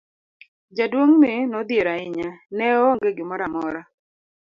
Jaduong' ni nodhier ahinya, ne oonge gimoro amora.